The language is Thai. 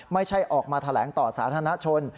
ไม่ใช่ออกมาแถลงต่อสาธารณชน